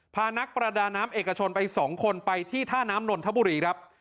พานักประดาน้ำเอกชนไป๒คนไปที่ท่าน้ำนนทบุรีครับ